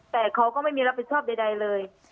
แต่เขาก็ไม่มีรับผิดชอบใดเลย